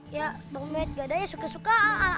ya dong mek gadanya suka suka